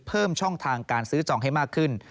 เพิ่มช่องทางการซื้อจองให้มากขึ้น